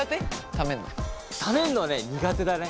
ためるのはね苦手だね。